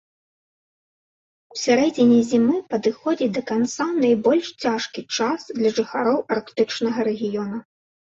У сярэдзіне зімы падыходзіць да канца найбольш цяжкі час для жыхароў арктычнага рэгіёна.